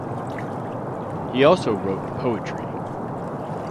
He also wrote poetry.